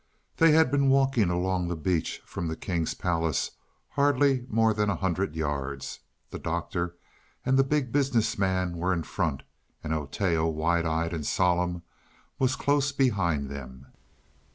They had been walking along the beach from the king's palace hardly more than a hundred yards. The Doctor and the Big Business Man were in front, and Oteo, wide eyed and solemn, was close behind them.